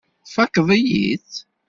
Tfakkeḍ-iyi-tt.